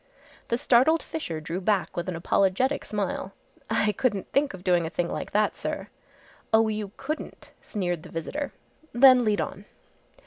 The startled Fisher drew back with an apologetic smile. "I couldn't think of doing a thing like that, sir." "Oh, you couldn't," sneered the visitor; "then lead on!"